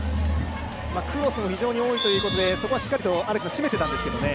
クロスも非常に多いということで、そこはしっかりしめてたんですけどね。